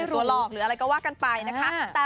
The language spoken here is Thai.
กลัวหลอกหรืออะไรก็ว่ากันไปนะคะ